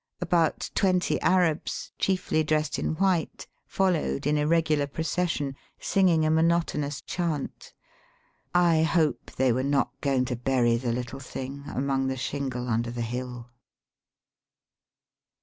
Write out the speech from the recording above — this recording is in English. About twenty Arabs^ chiefly dressed in white, followed in irregular proces sion, singing a monotonous chant. I hope they were not going to bury the httle thing among the shingle under the hill.